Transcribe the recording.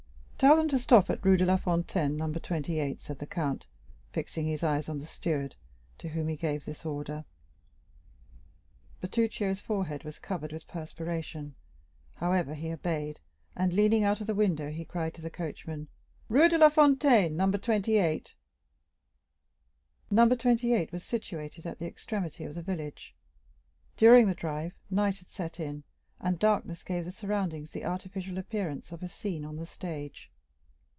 "Tell them to stop at Rue de la Fontaine, No. 28," said the count, fixing his eyes on the steward, to whom he gave this order. Bertuccio's forehead was covered with perspiration; however, he obeyed, and, leaning out of the window, he cried to the coachman,—"Rue de la Fontaine, No. 28." No. 28 was situated at the extremity of the village; during the drive night had set in, and darkness gave the surroundings the artificial appearance of a scene on the stage.